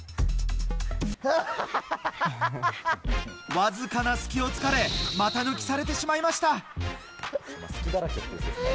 わずかな隙を突かれ股抜きされてしまいました。